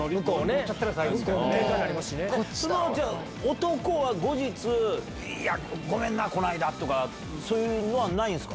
じゃあ、こっちの男は後日、いや、ごめんな、この間とか、そういうのはないんですか？